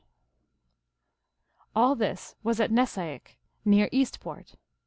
2 " All this was at Nessaik, near Eastport.